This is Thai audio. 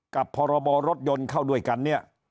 กับพรบรถยนต์เข้าด้วยกัน